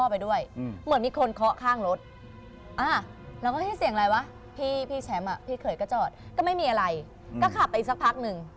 เราก็ได้เสียงอะไรวะพี่แชมป์อ่ะพี่เคยก็จอดก็ไม่มีอะไรก็ขับไปอีกสักพักหนึ่ง